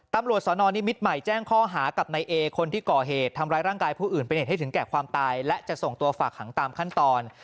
ตำรวจสนนิมิตรใหม่แจ้งข้อหากับนายเอคนที่ก่อเหตุทำร้ายร่างกายผู้อื่นเป็นเหตุให้ถึงแก่ความตายและจะส่งตัวฝากหังตามขั้นตอน